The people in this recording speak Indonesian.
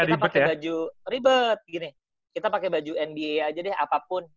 kita pakai baju ribet gini kita pakai baju nba aja deh apapun